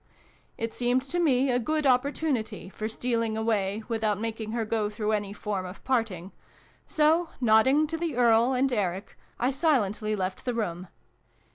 It seemed to me a good opportunity for stealing away without making her go through any form of parting : so, nodding to the Earl and Eric, I silently left the room.